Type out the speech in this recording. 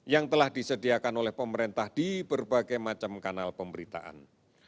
yang telah disediakan oleh pemerintah di berbagai macam kanal pemberitaan